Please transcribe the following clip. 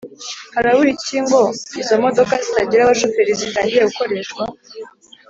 harabura iki ngo izo modoka zitagira abashoferi zitangire gukoreshwa.